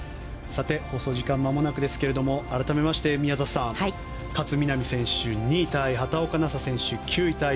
放送時間、まもなくですけれども改めまして宮里さん勝みなみ選手、２位タイ畑岡奈紗選手、９位タイ。